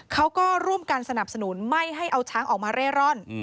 เขาก็ร่วมกันสนับสนุนไม่ให้เอาช้างออกมาเร่ร่อน